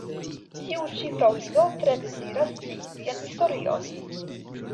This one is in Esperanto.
Tiu ĉi fraŭlino tre deziras scii vian historion.